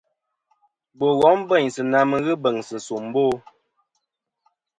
Bò wom bèynsɨ na mɨ n-ghɨ bèŋsɨ̀ nsòmbo.